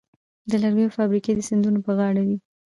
د لرګیو فابریکې د سیندونو په غاړه وې.